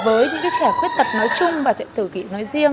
với những trẻ khuyết tật nói chung và trẻ tự kỳ nói riêng